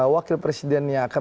wakil presiden yang akan